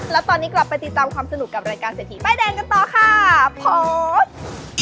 แล้วตอนนี้กลับไปติดตามความสนุกกับรายการเศรษฐีป้ายแดงกันต่อค่ะโพสต์